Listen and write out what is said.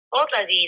tốt là gì